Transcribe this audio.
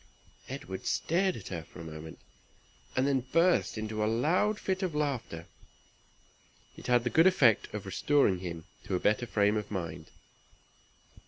Edward stared at her for a moment, and then burst into a loud fit of laughter. It had the good effect of restoring him to a better frame of mind.